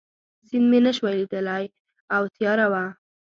سیند مې نه شوای لیدای او تیاره وه.